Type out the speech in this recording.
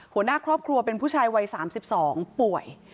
หัวหน้าครอบครัวเป็นผู้ชายวัย๓๒ป่วย